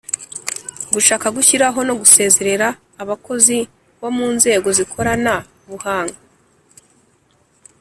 Gushaka gushyiraho no gusezerera abakozi bomunzego zikorana buhanga